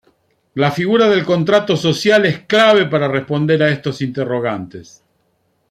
La figura del contrato social es clave para responder a estos interrogantes.